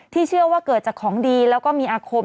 เชื่อว่าเกิดจากของดีแล้วก็มีอาคม